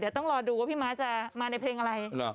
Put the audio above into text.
เดี๋ยวต้องรอดูว่าพี่ม้าจะมาในเพลงอะไร